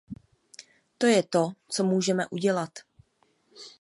To je to, co můžeme udělat.